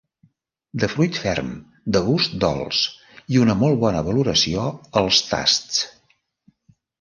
De fruit ferm, de gust dolç, i una molt bona valoració als tasts.